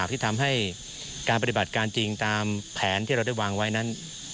ที่ทำให้การปฏิบัติการจริงตามแผนที่เราได้วางไว้นั้น